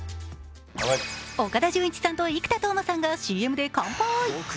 岡田准一さんと生田斗真さんがＣＭで乾杯。